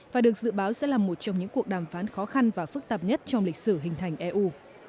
và được dự báo sẽ là một trong những cuộc đàm phán khó khăn và phức tạp nhất trong lịch sử hình thành eu